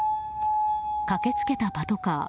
駆けつけたパトカー。